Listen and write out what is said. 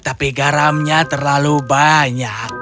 tapi garamnya terlalu banyak